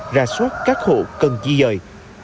rà soát các hộ cần chi dời